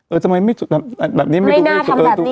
เออทำไมไม่สวยแบบนี้ไม่ดูดูดูด